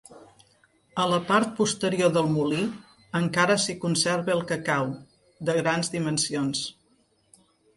A la part posterior del molí encara s'hi conserva el cacau, de grans dimensions.